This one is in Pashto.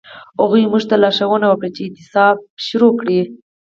هغوی موږ ته لارښوونه وکړه چې اعتصاب پیل کړئ.